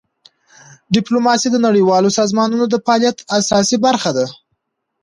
ډیپلوماسي د نړیوالو سازمانونو د فعالیت اساسي برخه ده.